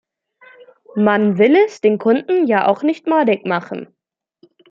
Man will es den Kunden ja auch nicht madig machen.